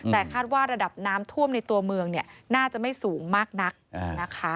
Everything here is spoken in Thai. แต่คาดว่าระดับน้ำท่วมในตัวเมืองเนี่ยน่าจะไม่สูงมากนักนะคะ